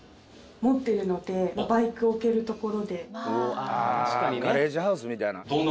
あガレージハウスみたいな。